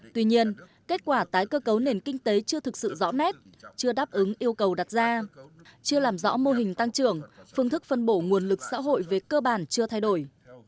tuy nhiên kết quả tái cơ cấu nền kinh tế chưa thực sự rõ nét chưa đáp ứng yêu cầu đặt ra chưa làm rõ mô hình tăng trưởng phương thức phân bổ nguồn lực xã hội về cơ bản chưa thay đổi